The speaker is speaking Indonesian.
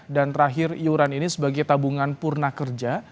dan terakhir iuran ini sebagai tabungan purna kerja